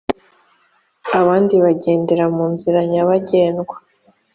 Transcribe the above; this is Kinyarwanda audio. abandi bagendera mu nzira nyabagendwa